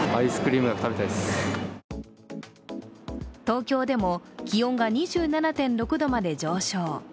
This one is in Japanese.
東京でも気温が２７．６度まで上昇。